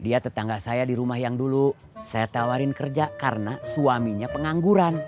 dia tetangga saya di rumah yang dulu saya tawarin kerja karena suaminya pengangguran